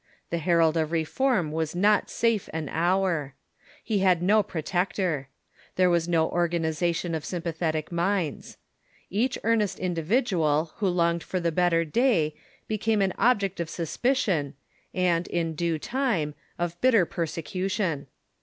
The herald of reform Avas not safe an hour. He had no pro tector. There was no organization of sympathetic minds. Each earnest indiA'idual who longed for the better day be came an object of suspicion, and, in due time, of bitter perse cution.